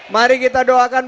mari kita doakan doa